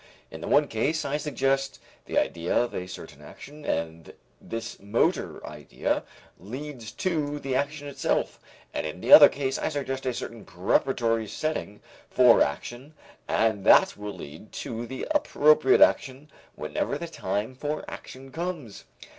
In the one case I suggest the idea of a certain action and this motor idea leads to the action itself, and in the other case I suggest a certain preparatory setting for action and that will lead to the appropriate action whenever the time for action comes.